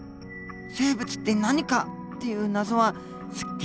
「生物って何か」っていう謎はす